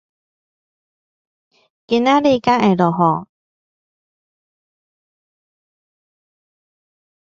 經貿園區